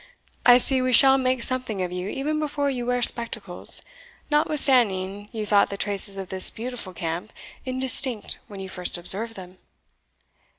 I see we shall make something of you even before you wear spectacles, notwithstanding you thought the traces of this beautiful camp indistinct when you first observed them."